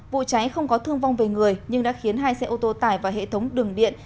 vụ cháy không có thương vong về người nhưng đã khiến hai xe ô tô tải và hệ thống đường điện